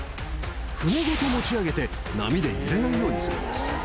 船ごと持ち上げて、波で揺れないようにするんです。